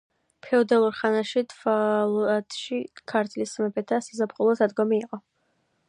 ფეოდალურ ხანაში თვალადში ქართლის მეფეთა საზაფხულო სადგომი იყო.